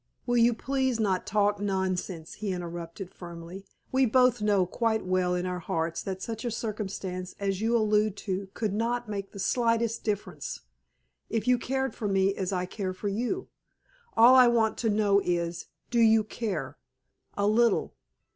"Will you please not talk nonsense?" he interrupted, firmly. "We both know quite well in our hearts that such a circumstance as you allude to could not make the slightest difference if you cared for me as I care for you. All I want to know is do you care a little?